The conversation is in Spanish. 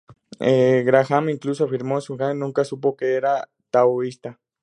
A. C. Graham incluso afirmó, "Zhuangzi nunca supo que era taoísta".